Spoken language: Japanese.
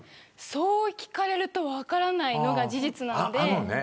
そう聞かれると分からないのが事実なので。